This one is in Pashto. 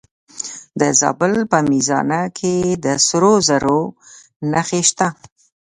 د زابل په میزانه کې د سرو زرو نښې شته.